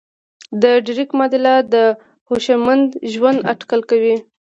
د ډریک معادله د هوشمند ژوند اټکل کوي.